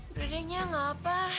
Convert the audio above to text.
udah deh nya gak apa